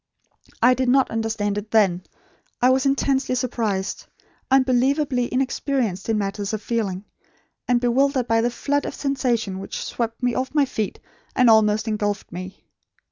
I did not understand it then. I was intensely surprised; unbelievably inexperienced in matters of feeling; and bewildered by the flood of sensation which swept me off my feet and almost engulfed me.